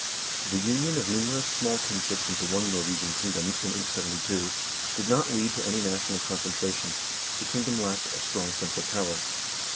The union of numerous small kingships into one Norwegian kingdom, in 872, did not lead to any national concentration ; the kingdom lacked a strong central power.